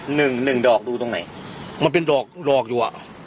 หนึ่งหนึ่งดอกดูตรงไหนมันเป็นดอกดอกอยู่อ่ะ